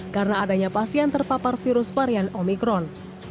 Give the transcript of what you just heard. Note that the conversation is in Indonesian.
karena adanya pasien terpapar virus varian omikron